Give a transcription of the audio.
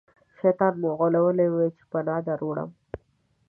شیطان مو غولوي ووایئ چې پناه دروړم.